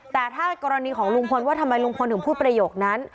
แต่ถ้ากรณีของลุงพลว่าทำไมลุงพลถึงพูดประโยคนั้น